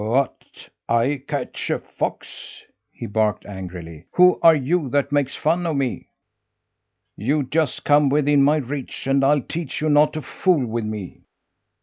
"What, I catch a fox?" he barked angrily. "Who are you that makes fun of me? You just come within my reach and I'll teach you not to fool with me!"